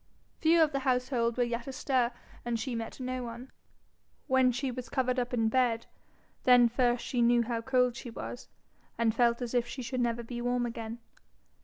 Few of the household were yet astir, and she met no one. When she was covered up in bed, then first she knew how cold she was, and felt as if she should never be warm again.